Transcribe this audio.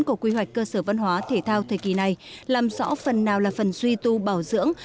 của quy hoạch cơ sở văn hóa thể thao thời kỳ này làm rõ phần nào là phần duy tu bảo dưỡng